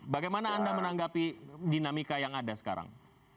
bagaimana anda menanggapi dinamika yang ada sekarang